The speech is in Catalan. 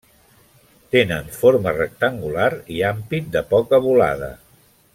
Tenen forma rectangular i ampit de poca volada.